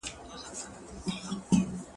ماشوم نه غوښتل چې د انا له کوټې څخه لاړ شي.